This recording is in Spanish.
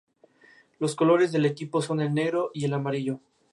Los colores del equipo son el negro y el amarillo.